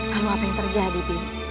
lalu apa yang terjadi bi